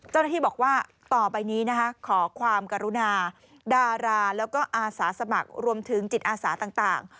เจ้าหน้าที่บอกว่าต่อไปนี้นะคะขอความกรุณาดาราแล้วก็อาสาสมัครรวมถึงจิตอาสาต่าง